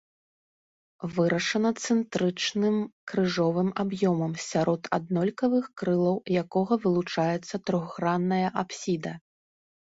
Вырашана цэнтрычным крыжовым аб'ёмам, сярод аднолькавых крылаў якога вылучаецца трохгранная апсіда.